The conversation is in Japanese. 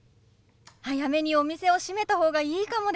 早めにお店を閉めた方がいいかもです。